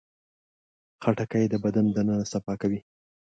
خټکی د بدن دننه صفا کوي.